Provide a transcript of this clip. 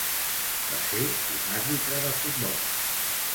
Va ser un àrbitre de futbol.